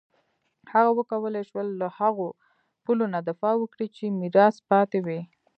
هغه وکولای شول له هغو پولو نه دفاع وکړي چې میراث پاتې وې.